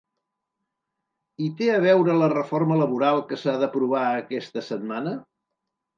I té a veure la reforma laboral que s’ha d’aprovar aquesta setmana?